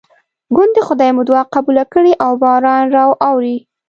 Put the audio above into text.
ګوندې خدای مو دعا قبوله کړي او باران راواوري.